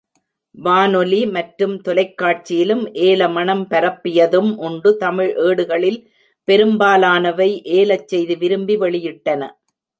வானொலி மற்றும் தொலைக்காட்சியிலும் ஏலமணம் பரப்பியதும் உண்டு தமிழ் ஏடுகளில் பெரும்பாலானவை ஏலச்செய்தி விரும்பி வெளியிட்டன.